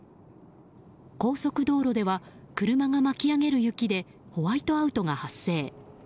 高速道路では車が巻き上げる雪でホワイトアウトが発生。